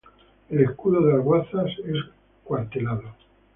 El escudo de Alguazas es cuartelado.